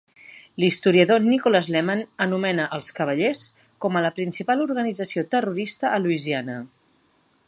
L'historiador Nicholas Lemann anomena els Cavallers com a la principal organització terrorista a Louisiana.